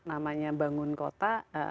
namanya bangun kota